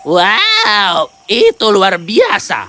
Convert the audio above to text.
wow itu luar biasa